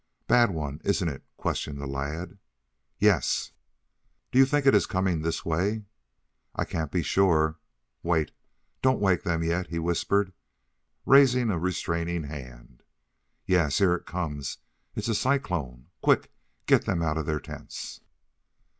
"Bad one, isn't it?" questioned the lad. "Yes." "Do you think it is coming this way?" "I can't be sure. Wait; don't wake them yet," he whispered, raising a restraining hand. "Yes, here it comes! It's a cyclone. Quick, get them out of their tents!"